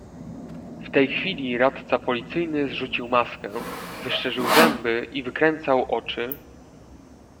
"W tej chwili radca policyjny zrzucił maskę: wyszczerzył zęby i wykręcał oczy."